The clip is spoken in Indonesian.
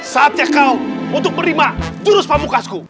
saatnya kau untuk menerima jurus pamukasku